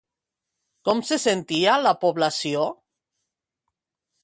Com se sentia la població?